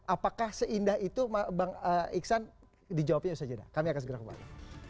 apakah seindah itu bang iksan dijawabin ya ustaz jeddah kami akan segera kembali